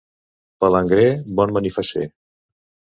Palangrer, bon manifasser.